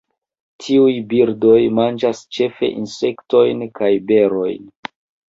Tiuj birdoj manĝas ĉefe insektojn kaj berojn.